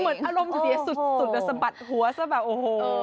ดูเหมือนอารมณ์สุดใหญ่สุดแต่สะบัดหัวจะแบบโอ้โห